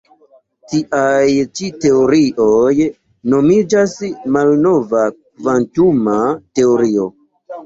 Tiaj ĉi teorioj nomiĝas malnova kvantuma teorio.